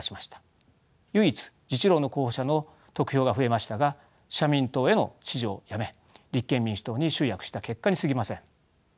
唯一自治労の候補者の得票が増えましたが社民党への支持をやめ立憲民主党に集約した結果にすぎません。